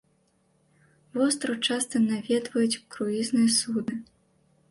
Востраў часта наведваюць круізныя судны.